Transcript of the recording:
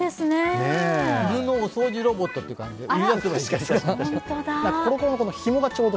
犬のお掃除ロボットって感じ。